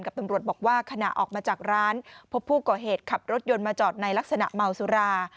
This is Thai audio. ตำรวจบอกว่าขณะออกมาจากร้านพบผู้ก่อเหตุขับรถยนต์มาจอดในลักษณะเมาสุรา